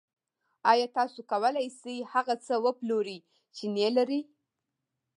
آیا تاسو کولی شئ هغه څه وپلورئ چې نلرئ